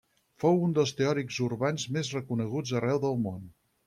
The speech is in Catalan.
Fou un dels teòrics urbans més reconeguts arreu del món.